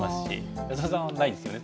安田さんはないですよね